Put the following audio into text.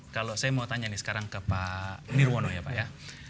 kalau saya mau tanya nih sekarang ke pak nirwono ya pak ya